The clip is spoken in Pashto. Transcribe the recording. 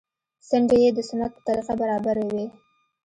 څنډې يې د سنت په طريقه برابرې وې.